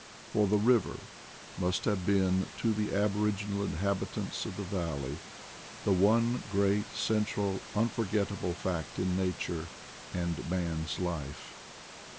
For the river must have been to the aboriginal inhabitants of the valley the one great central unforgettable fact in nature and man's life.